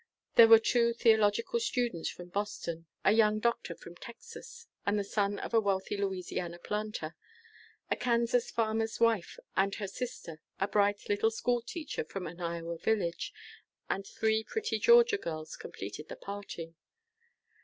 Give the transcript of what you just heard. There were two theological students from Boston, a young doctor from Texas, and the son of a wealthy Louisiana planter. A Kansas farmer's wife and her sister, a bright little schoolteacher from an Iowa village, and three pretty Georgia girls, completed the party.